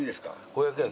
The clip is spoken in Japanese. ５００円